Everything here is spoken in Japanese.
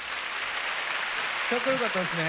かっこよかったですね。